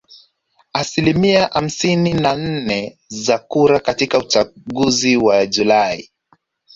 asilimia hamsini na nne za kura katika uchaguzi wa Julai